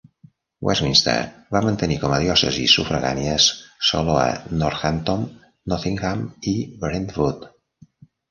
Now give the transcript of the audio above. Westminster va mantenir com a diòcesis sufragànies solo a Northampton, Nottingham i Brentwood.